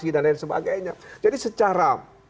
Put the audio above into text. dan sebagainya jadi secara